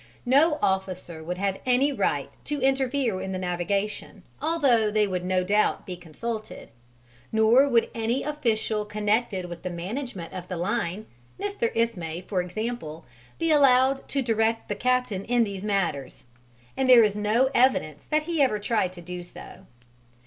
No officer would have any right to interfere in the navigation, although they would no doubt be consulted. Nor would any official connected with the management of the line Mr. Ismay, for example be allowed to direct the captain in these matters, and there is no evidence that he ever tried to do so.